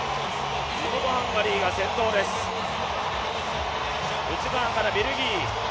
ハンガリーが先頭です、内側からベルギー。